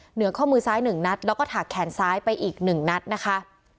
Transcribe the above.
เหนือข้อมือซ้าย๑นัดแล้วก็ถากแขนซ้ายไปอีก๑นัดนะคะ